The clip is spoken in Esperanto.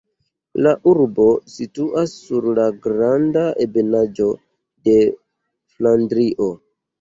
La urbo situas sur la granda ebenaĵo de Flandrio.